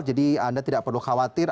jadi anda tidak perlu khawatir